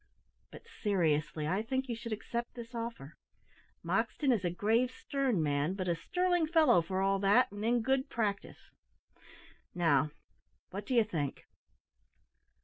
But seriously, I think you should accept this offer. Moxton is a grave, stern man, but a sterling fellow for all that, and in good practice. Now, what do you think!"